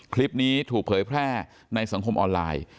คลิปนี้ถูกเผยแพร่ในสังคมออนไลน์